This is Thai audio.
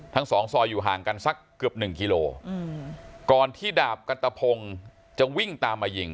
สองซอยอยู่ห่างกันสักเกือบหนึ่งกิโลก่อนที่ดาบกันตะพงศ์จะวิ่งตามมายิง